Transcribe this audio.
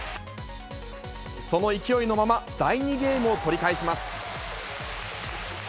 その勢いのまま、第２ゲームを取り返します。